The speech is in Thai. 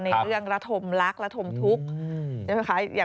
ในเรื่องระธมรักระธมทุกข์